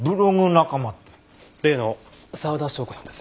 例の沢田紹子さんです。